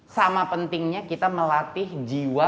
sama pentingnya kita melatih jiwa